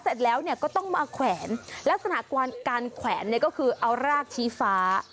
เสร็จแล้วก็ต้องมาแขวนลักษณะการแขวนเนี่ยก็คือเอารากชี้ฟ้า